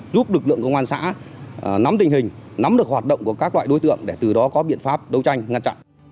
giúp lực lượng công an xã nắm tình hình nắm được hoạt động của các loại đối tượng để từ đó có biện pháp đấu tranh ngăn chặn